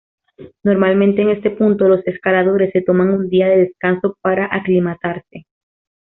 Normalmente en este punto, los escaladores se toman un día de descanso para aclimatarse.